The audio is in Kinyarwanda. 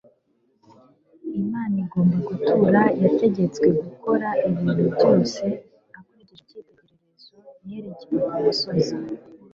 Imana igomba gutura, yategetswe gukora ibintu byose akurikije icyitegererezo yerekewe ku musozi.